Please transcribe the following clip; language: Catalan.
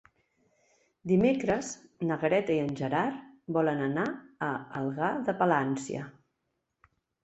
Dimecres na Greta i en Gerard volen anar a Algar de Palància.